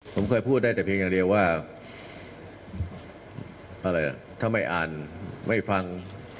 ผมเคยพูดได้แต่เพียงอย่างเดียวว่าอะไรถ้าไม่อ่านไม่ฟัง